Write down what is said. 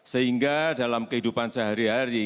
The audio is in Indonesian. sehingga dalam kehidupan sehari hari